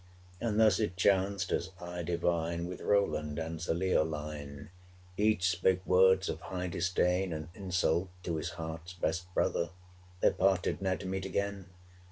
And thus it chanced, as I divine, With Roland and Sir Leoline. 415 Each spake words of high disdain And insult to his heart's best brother: They parted ne'er to meet again!